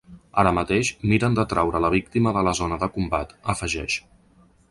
Ara mateix, miren de traure la víctima de la zona de combat, afegeix.